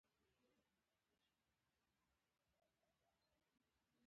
هغه په خپل ژوند کې د اغزیو پر ځای ګلان وکرل